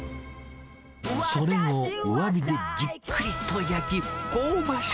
それを弱火でじっくりと焼き、香ばしく